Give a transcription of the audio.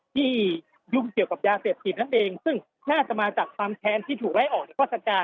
ยุ่งเกี่ยวกับยาเสพติดนั่นเองซึ่งน่าจะมาจากความแค้นที่ถูกไล่ออกในราชการ